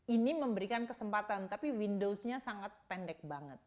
ini memberikan kesempatan tapi windowsnya sangat pendek banget